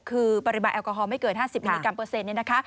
คือปริมาณแอลกอฮอล์ไม่เกิน๕๐มิลลิกรัมเปอร์เซ็นต์